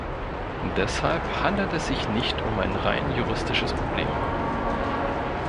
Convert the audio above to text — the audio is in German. Deshalb handelt es sich nicht um ein rein juristisches Problem.